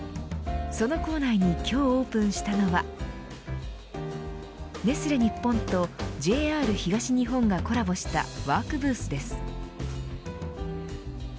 その構内に今日オープンしたのはネスレ日本とＪＲ東日本がコラボしたワークブースです。